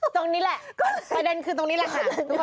ตรงนี้แหละประเด็นคือตรงนี้แหละค่ะ